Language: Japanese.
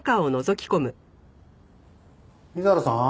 水原さん？